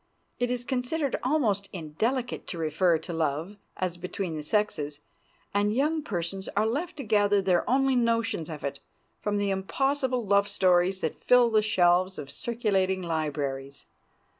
It is considered almost indelicate to refer to love as between the sexes, and young persons are left to gather their only notions of it from the impossible love stories that fill the shelves of circulating libraries.